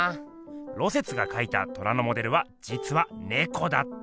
芦雪が描いた虎のモデルはじつはねこだった！